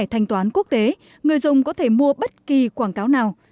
thanh toán quốc tế người dùng có thể mua bất kỳ quảng cáo nào